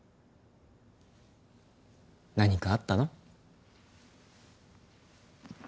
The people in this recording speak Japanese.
何かあったの？